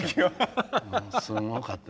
すごかった。